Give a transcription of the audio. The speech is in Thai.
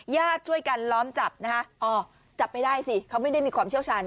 ญาติช่วยกันล้อมจับนะคะอ๋อจับไม่ได้สิเขาไม่ได้มีความเชี่ยวชาญ